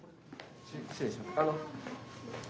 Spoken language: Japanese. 失礼します。